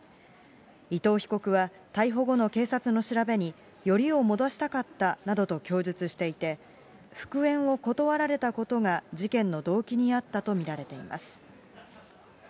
伊藤被告は逮捕後の警察の調べに、よりを戻したかったなどと供述していて、復縁を断られたことが事件の動機にあったと見られています。